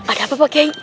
ada apa pak giai